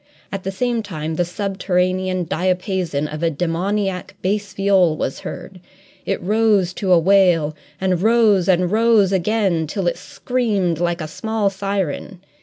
At the same time the subterranean diapason of a demoniac bass viol was heard; it rose to a wail, and rose and rose again till it screamed like a small siren.